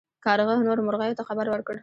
کارغه نورو مرغیو ته خبر ورکړ.